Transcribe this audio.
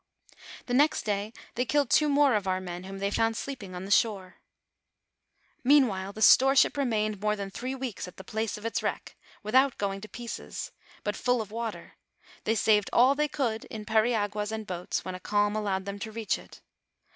The next day they killed two more of our men, whom they found sleeping on the shore. ■ Meanwhile, the store ship remained more than three weeks at the place of its wreck, without going to pieces, but full of water ; they saved all they could in periaguas and boats, when a calm allowed them to reach it.